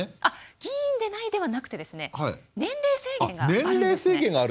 議員ではないではなくて年齢制限があるんです。